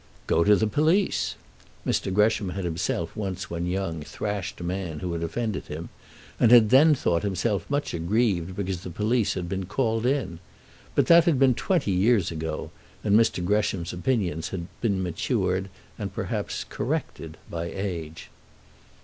"Go to the police." Mr. Gresham had himself once, when young, thrashed a man who had offended him and had then thought himself much aggrieved because the police had been called in. But that had been twenty years ago, and Mr. Gresham's opinions had been matured and, perhaps, corrected by age.